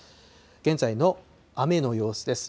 現在の雨の様子です。